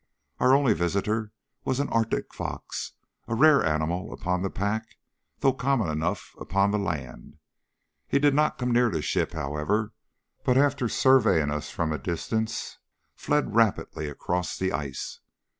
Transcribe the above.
Our only visitor was an Arctic fox, a rare animal upon the pack, though common enough upon the land. He did not come near the ship, however, but after surveying us from a distance fled rapidly across the ice.